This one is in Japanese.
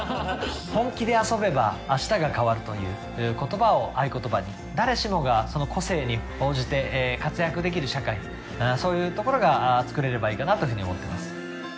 本気で遊べば明日が変わるという言葉を合言葉に誰しもがその個性に応じて活躍できる社会そういうところがつくれればいいかなと思っています